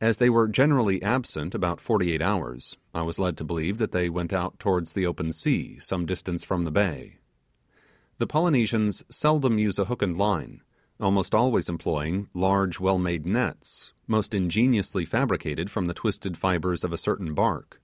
As they were generally absent about forty eight hours, I was led to believe that they went out towards the open sea, some distance from the bay. The Polynesians seldom use a hook and line, almost always employing large well made nets, most ingeniously fabricated from the twisted fibres of a certain bark.